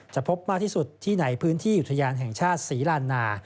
พบมากที่สุดที่ในพื้นที่อุทยานแห่งชาติศรีลานา